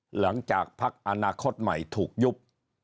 หลังจากพักอนาคตใหม่ถูกยุบ